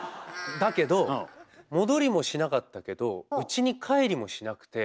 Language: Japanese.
だけど戻りもしなかったけどうちに帰りもしなくて。